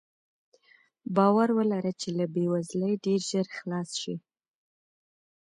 باور ولره چې له بې وزلۍ ډېر ژر خلاص شې.